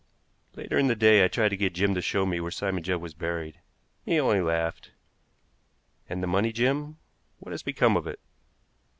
Later in the day I tried to get Jim to show me where Simon Judd was buried. He only laughed. "And the money, Jim what has become of it?"